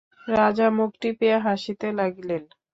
রাজা মুখ টিপিয়া হাসিতে লাগিলেন।